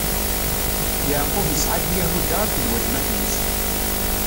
Yeɛqub isɛa-d Yahuda akked watmaten-is.